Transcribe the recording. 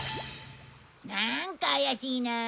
なんか怪しいなあ。